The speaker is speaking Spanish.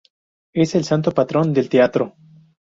Es el santo patrón del teatro.